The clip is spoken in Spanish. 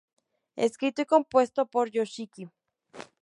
Escrito y compuesto por Yoshiki.